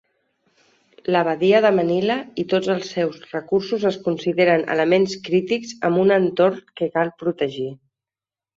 La badia de Manila i tots els seus recursos es consideren elements crítics amb un entorn que cal protegir.